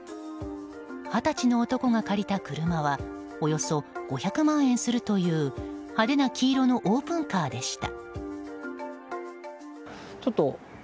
二十歳の男が借りた車はおよそ５００万円するという派手な黄色のオープンカーでした。